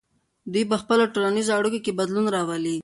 دوی په خپلو ټولنیزو اړیکو کې بدلون راولي.